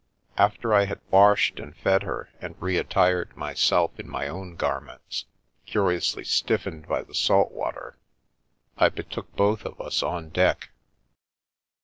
After I had washed and fed her and re attired myself in my own garments, curiously stiffened by the salt water, I betook both of us on deck.